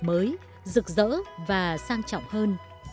mới rực rỡ và sang trọng hơn